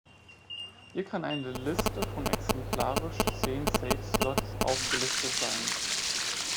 Hier kann eine Liste von, exemplarisch, zehn „Save Slots“ aufgelistet sein.